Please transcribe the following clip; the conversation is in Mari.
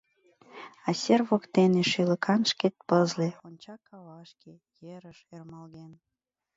А сер воктене шӱлыкан шкет пызле Онча кавашке, ерыш, ӧрмалген.